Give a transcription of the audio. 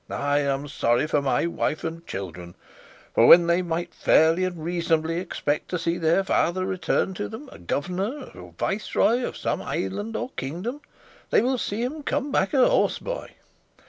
I am sorry for my wife and children, for when they might fairly and reasonably expect to see their father return to them a governor or viceroy of some island or kingdom, they will see him come back a horse boy.